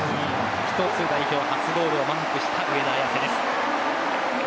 一つ、代表初ゴールをマークした、上田綺世です。